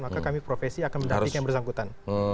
maka kami profesi akan mendamping yang bersangkutan